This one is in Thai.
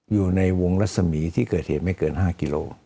อยู่ในวงรัศมีที่เกิดเหตุไม่เกิน๕กิโล